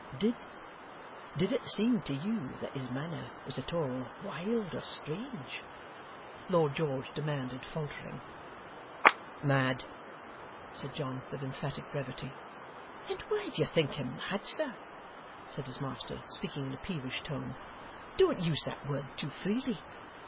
'Did did it seem to you that his manner was at all wild or strange?' Lord George demanded, faltering. 'Mad,' said John, with emphatic brevity. 'And why do you think him mad, sir?' said his master, speaking in a peevish tone. 'Don't use that word too freely.